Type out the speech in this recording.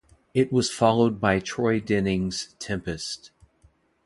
It was followed by Troy Denning's "Tempest".